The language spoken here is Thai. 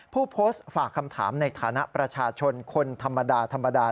ผู้โพสต์ฝากคำถามในฐานะประชาชนคนธรรมดาธรรมดา